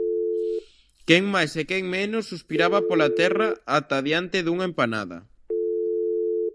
Quen máis e quen menos suspiraba pola Terra até diante dunha empanada.